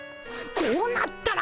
こうなったら。